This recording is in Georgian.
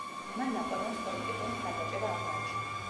მან ნაპოლეონს პოლიტიკური მხარდაჭერა აღმოუჩინა.